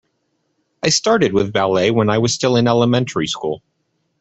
I started with ballet when I was still in elementary school.